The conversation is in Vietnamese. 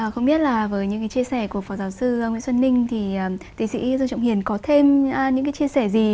không biết là với những chia sẻ của phó giáo sư nguyễn xuân ninh thì tiến sĩ dương trọng hiền có thêm những cái chia sẻ gì